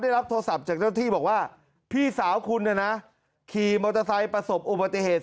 รับโทรศัพท์จากเจ้าที่บอกว่าพี่สาวคุณเนี่ยนะขี่มอเตอร์ไซค์ประสบอุบัติเหตุ